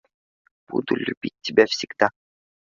Буду любить тебя всегда